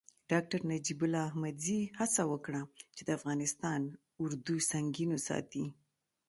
ډاکتر نجیب الله احمدزي هڅه وکړه چې د افغانستان اردو سنګین وساتي.